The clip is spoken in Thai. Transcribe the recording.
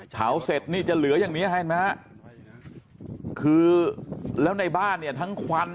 เผาเสร็จนี่จะเหลืออย่างนี้เห็นไหมฮะคือแล้วในบ้านเนี่ยทั้งควัน